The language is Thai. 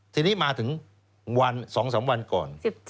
ทีนี้มาถึง๒๓วันก่อน